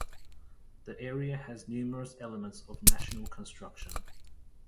The area has numerous elements of national construction.